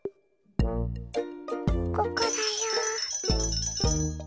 ここだよ。